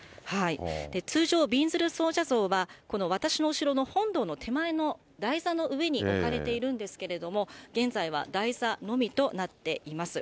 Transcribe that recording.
通常、びんずる尊者像はこの私の後ろの本堂の手前の台座の上に置かれているんですけれども、現在は台座のみとなっています。